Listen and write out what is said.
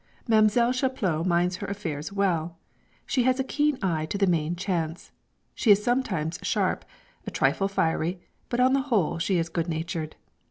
Mam'selle Chaplot minds her affairs well; she has a keen eye to the main chance. She is sometimes sharp, a trifle fiery, but on the whole she is good natured.